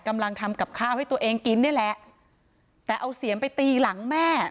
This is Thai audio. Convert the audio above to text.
กำลังทำกับข้าวให้ตัวเองกินนี่แหละแต่เอาเสียมไปตีหลังแม่